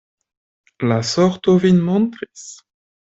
La sorto vin montris.